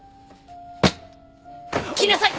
来なさい。